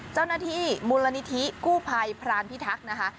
เจ้าหน้าที่มูลนิธิกู้ภัยพรานพิทักษ์นะคะ